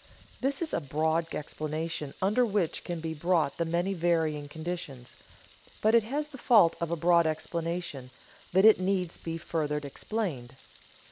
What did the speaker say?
_ This is a broad explanation under which can be brought the many varying conditions; but it has the fault of a broad explanation, that it needs be further explained.